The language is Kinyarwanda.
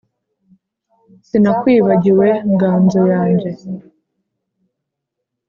Sinakwibagiwe nganzo yanjye